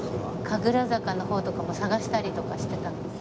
神楽坂の方とかも探したりとかしてたんですよ。